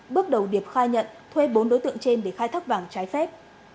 bước đầu điệp khai nhận thuê bốn đối tượng trên để khai thác vàng trái phép